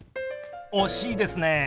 惜しいですね。